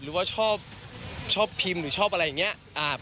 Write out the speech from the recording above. หรือว่าชอบพิมพ์